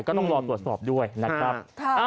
ก็ต้องรอตรวจสอบด้วยนะครับ